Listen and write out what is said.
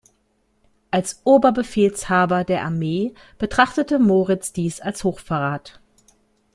Als Oberbefehlshaber der Armee betrachtete Moritz dies als Hochverrat.